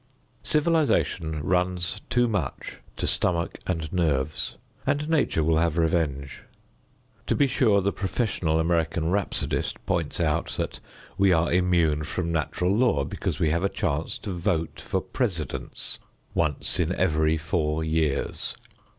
Civilization runs too much to stomach and nerves, and Nature will have revenge. To be sure, the professional American rhapsodist points out that we are immune from natural law because we have a chance to vote for presidents once in every four years.